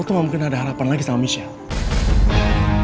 lo tuh gak mungkin ada harapan lagi sama michelle